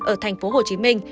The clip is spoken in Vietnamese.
ở thành phố hồ chí minh